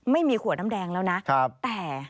ไม่มีขัวน้ำแดงแล้วนะ